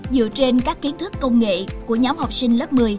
dựa trên các kiến thức công nghệ của nhóm học sinh lớp một mươi